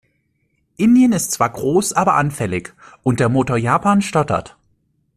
Indien ist zwar groß, aber anfällig, und der Motor Japan stottert.